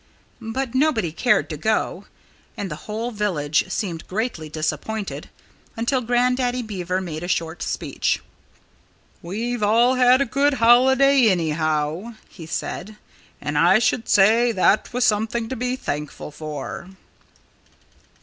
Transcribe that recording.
But nobody cared to go. And the whole village seemed greatly disappointed, until Grandaddy Beaver made a short speech. "We've all had a good holiday, anyhow," he said. "And I should say that was something to be thankful for."